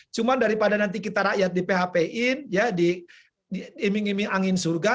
cuma daripada nanti kita rakyat di phpin ya diiming iming angin surga